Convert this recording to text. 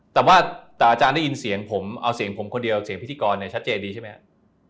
แต่ว่าแต่อาจารย์ได้ยินเสียงผมเอาเสียงผมคนเดียวเสียงพิธีกรเนี่ยชัดเจนดีใช่ไหมครับ